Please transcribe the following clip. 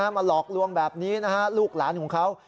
หลอกลวงแบบนี้นะฮะลูกหลานของเขา